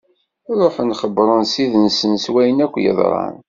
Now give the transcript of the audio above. Ṛuḥen xebbṛen ssid-nsen s wayen akk yeḍran.